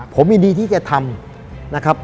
ผมยินดีที่จะทำนะครับ